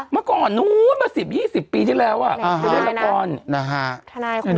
เมื่อก่อนนู้นมาสิบยี่สิบปีที่แล้วอ่ะอ่าฮะเล่นละครนะฮะทนาย